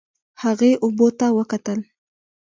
هغې اوبو ته وکتل.